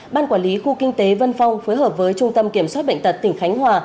ban quản lý khu kinh tế vân phong phối hợp với trung tâm kiểm soát bệnh tật tỉnh khánh hòa